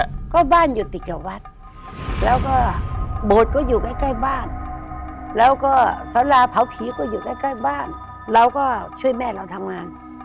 เจ๊เกียวบ้านอยู่ติดกับวัดแล้วก็โบสถ์ก็อยู่ใกล้บ้านแล้วก็ศาลาเผาผีก็อยู่ใกล้บ้านแล้วก็ช่วยแม่เราทำงาน